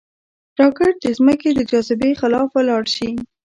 راکټ د ځمکې د جاذبې خلاف ولاړ شي